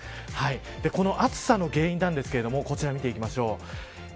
この暑さの原因なんですけれどもこちら、見ていきましょう。